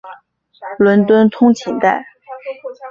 伦敦通勤带。